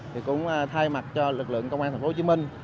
thì cũng thay mặt cho lực lượng công an thành phố hồ chí minh